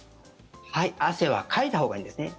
はい汗はかいたほうがいいですね。